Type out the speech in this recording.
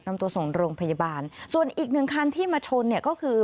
นำตัวส่งโรงพยาบาลส่วนอีกหนึ่งคันที่มาชนเนี่ยก็คือ